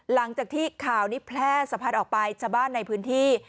หลังจากที่ข่าวนี้แพร่สะพัดออกไปชาวบ้านในพื้นที่